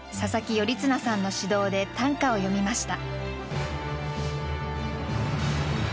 頼綱さんの指導で短歌を詠みました。